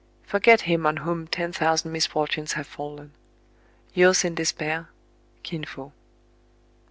Forget him on whom ten thousand misfortunes have fallen. " Yours in despair, " KiN Fo." .